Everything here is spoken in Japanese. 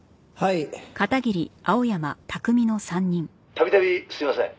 「度々すいません」